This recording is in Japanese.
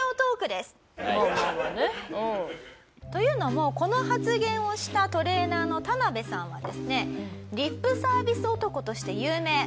というのもこの発言をしたトレーナーの田邊さんはですねリップサービス男として有名。